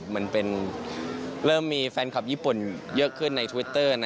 มันเป็นเริ่มมีแฟนคลับญี่ปุ่นเยอะขึ้นในทวิตเตอร์